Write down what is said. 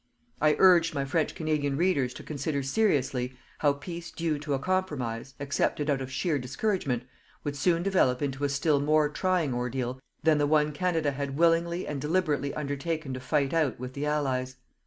I urged my French Canadian readers to consider seriously how peace due to a compromise, accepted out of sheer discouragement, would soon develop into a still more trying ordeal than the one Canada had willingly and deliberately undertaken to fight out with the Allies.